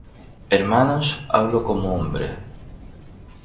Hermanos, hablo como hombre: